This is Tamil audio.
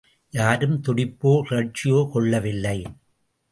யாரும் துடிப்போ, கிளர்ச்சியோ கொள்ளவில்லை.